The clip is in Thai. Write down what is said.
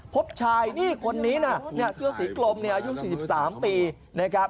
พบชายนี่คนนี้เสื้อสีกลมอายุ๔๓ปี